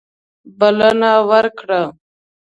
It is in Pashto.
بلنه ورکړه.